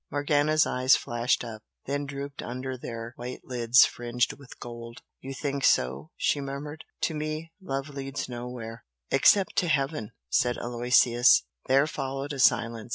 Morgana's eyes flashed up, then drooped under their white lids fringed with gold. "You think so?" she murmured "To me, love leads nowhere!" "Except to Heaven!" said Aloysius. There followed a silence.